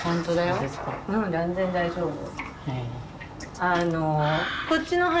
うん全然大丈夫。